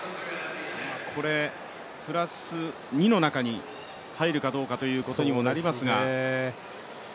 これ、プラス２の中に入るかどうかということにもなりますが。